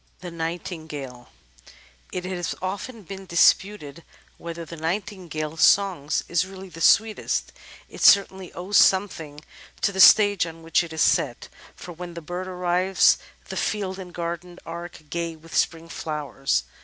The Nightingale It has often been disputed whether the Nightingale's song is really the sweetest. It certainly owes something to the stage on which it is set, for when the bird arrives the field and garden arc gay with spring flowers.